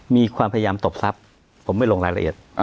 มีความพยายามตบทรัพย์ผมไม่ลงรายละเอียด